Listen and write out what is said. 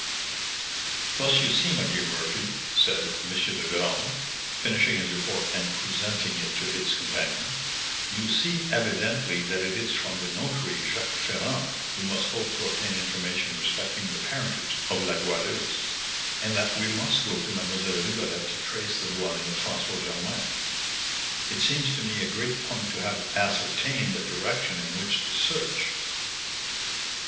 "Thus you see, my dear Murphy," said M. de Graün, finishing his report and presenting it to his companion, "you see evidently that it is from the notary, Jacques Ferrand, we must hope to obtain information respecting the parentage of La Goualeuse, and that we must go to Mlle. Rigolette to trace the dwelling of François Germain. It seems to me a great point to have ascertained the direction in which to search."